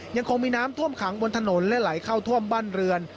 ยังคงมีน้ำท่วมขังบนถนนและไหลเข้าท่วมบ้านเรือน